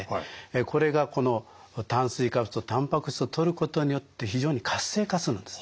これがこの炭水化物とたんぱく質をとることによって非常に活性化するんです。